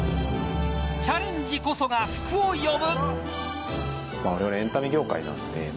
チャレンジこそが福を呼ぶ。